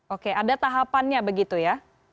oke ada tahapannya begitu ya